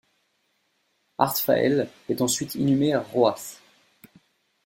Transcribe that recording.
Arthfael est ensuite inhumé à Roath.